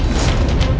ayo kita berdua